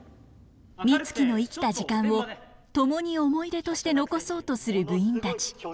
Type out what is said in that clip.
ミツキの生きた時間をともに思い出として残そうとする部員たち。